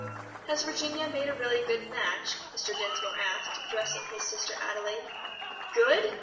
"Has Virginia made a really good match?" Mr. Dinsmore asked, addressing his sister Adelaide. "Good!